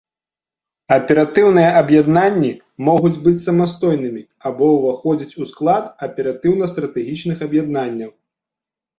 Аператыўныя аб'яднанні могуць быць самастойнымі або ўваходзіць у склад аператыўна-стратэгічных аб'яднанняў.